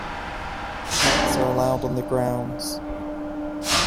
No pets are allowed on the grounds.